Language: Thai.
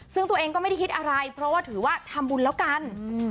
ซึ่งตัวเองก็ไม่ได้คิดอะไรเพราะว่าถือว่าทำบุญแล้วกัน